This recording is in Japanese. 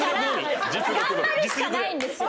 頑張るしかないんですよ。